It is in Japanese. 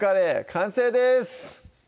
完成です